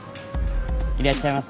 いらっしゃいませ。